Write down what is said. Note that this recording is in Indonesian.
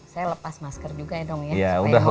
saya lepas masker juga ya dong ya